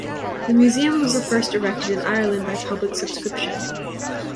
The museum was the first erected in Ireland by public subscription.